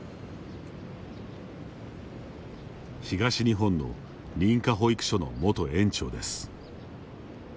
東日本の認可保育所の元園長です。